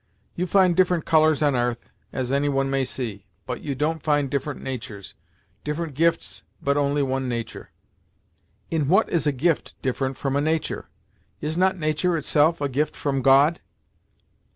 You find different colours on 'arth, as any one may see, but you don't find different natur's. Different gifts, but only one natur'." "In what is a gift different from a nature? Is not nature itself a gift from God?"